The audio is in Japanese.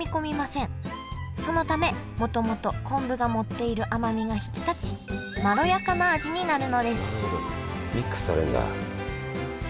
そのためもともと昆布が持っている甘みが引き立ちまろやかな味になるのですなるほどミックスされるんだ。